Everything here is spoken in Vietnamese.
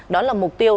đó là mục tiêu